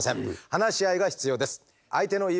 話し合いが必要です。